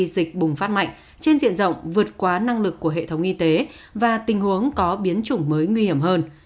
dịch bùng phát mạnh trên diện rộng vượt quá năng lực của hệ thống y tế và tình huống có biến chủng mới nguy hiểm hơn